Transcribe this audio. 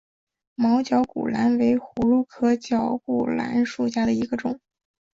毛绞股蓝为葫芦科绞股蓝属下的一个种。